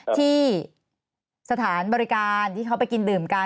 ที่สถานบริการที่เขาไปกินดื่มกัน